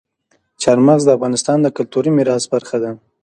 چار مغز د افغانستان د کلتوري میراث برخه ده.